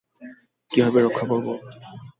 কীভাবে রক্ষা করবো?